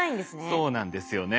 そうなんですよね。